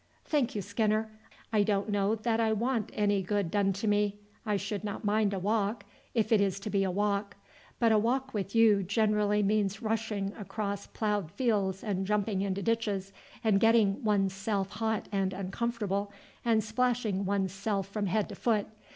"Thank you, Skinner; I don't know that I want any good done to me. I should not mind a walk, if it is to be a walk; but a walk with you generally means rushing across ploughed fields and jumping into ditches, and getting one's self hot and uncomfortable, and splashing one's self from head to foot.